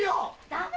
ダメ！